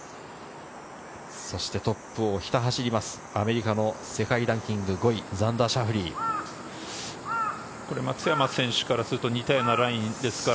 そしてトップをひた走りますアメリカの世界ランキング５位、ザンダー・シャフリ松山選手からすると、似たようなラインです。